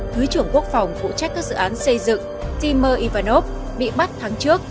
thứ trưởng quốc phòng phụ trách các dự án xây dựng timur ivanov bị bắt tháng trước